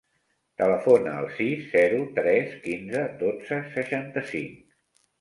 Telefona al sis, zero, tres, quinze, dotze, seixanta-cinc.